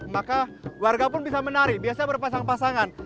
maka warga pun bisa menari biasanya berpasang pasangan